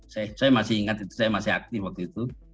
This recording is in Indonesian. saya masih ingat itu saya masih aktif waktu itu